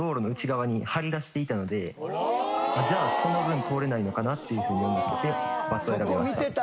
じゃあその分通れないのかなっていうふうに思って「×」を選びました。